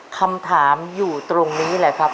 คำถามอยู่ตรงนี้แหละครับ